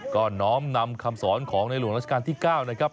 ก็น้อมนำคำสอนของในหลวงราชการที่๙นะครับ